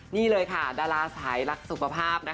นี่เลยค่ะดาราสายรักสุขภาพนะคะ